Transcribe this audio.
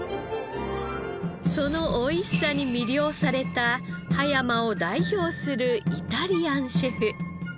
そのおいしさに魅了された葉山を代表するイタリアンシェフ。